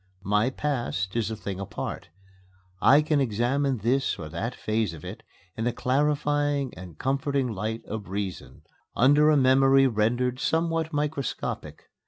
My past is a thing apart. I can examine this or that phase of it in the clarifying and comforting light of reason, under a memory rendered somewhat microscopic.